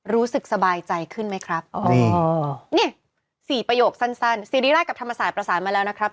รู้สึกสบายใจขึ้นไหมครับเนี่ย๔ประโยคสั้นซีรีราชกับธรรมศาสตร์ประสานมาแล้วนะครับ